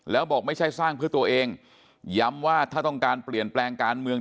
แล้วบอกไม่ใช่สร้างเพื่อตัวเองย้ำว่าถ้าต้องการเปลี่ยนแปลงการเมือง